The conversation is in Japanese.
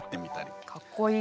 かっこいい。